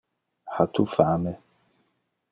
Ha tu fame?